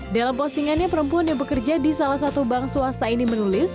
dalam postingannya perempuan yang bekerja di salah satu bank swasta ini menulis